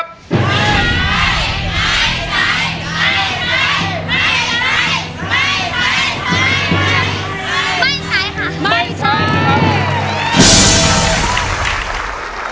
ไม่ใช้